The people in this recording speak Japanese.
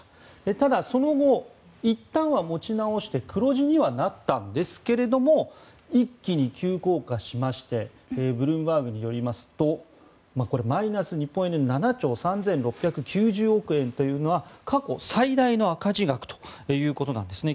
ただ、その後いったんは持ち直して黒字にはなったんですけれども一気に急降下しましてブルームバーグによりますとこれ、日本円でマイナス７兆３６９０億円というのは過去最大の赤字額ということなんですね。